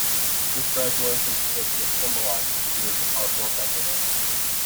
This graduation certificate symbolizes the years of hard work I put in.